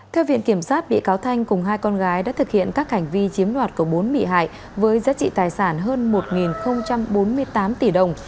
theo viện kiểm sát bị cáo thanh cùng hai con gái đã thực hiện các hành vi chiếm đoạt của bốn bị hại với giá trị tài sản hơn một bốn mươi tám tỷ đồng